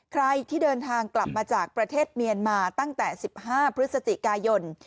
ใครที่เดินทางกลับมาจากประเทศเมียนมาตั้งแต่๑๕พฤศจิกายน